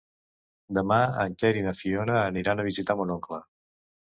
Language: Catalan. Demà en Quer i na Fiona aniran a visitar mon oncle.